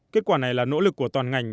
kết quả này là nỗ lực của toàn ngành